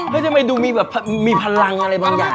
ไม่ใช่มั้ยดูมีแบบมีพลังอะไรบางอย่าง